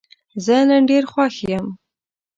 زه نن ډېر خوښ یم.